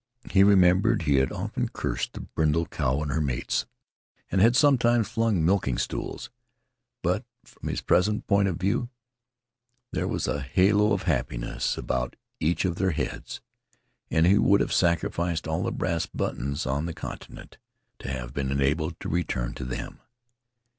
He remembered he had often cursed the brindle cow and her mates, and had sometimes flung milking stools. But, from his present point of view, there was a halo of happiness about each of their heads, and he would have sacrificed all the brass buttons on the continent to have been enabled to return to them.